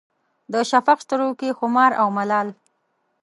د شفق سترګو کې خمار او ملال